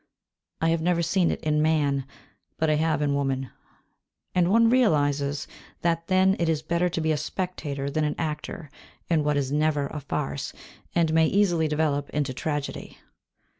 I have never seen it in man, but I have in woman; and one realises that then it is better to be a spectator than an actor in what is never a farce, and may easily develop into tragedy.